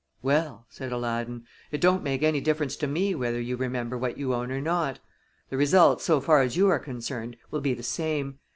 "Well," said Aladdin, "it don't make any difference to me whether you remember what you own or not. The results so far as you are concerned will be the same.